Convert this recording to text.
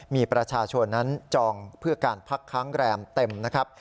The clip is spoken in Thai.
มีประชาชนนั้นจองเพื่อการพักค้างแรมเต็มนะครับ